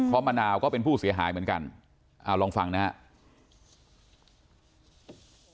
เพราะมะนาวก็เป็นผู้เสียหายเหมือนกันลองฟังนะครับ